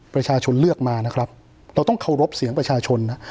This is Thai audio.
ประชาชนเลือกมานะครับเราต้องเคารพเสียงประชาชนนะ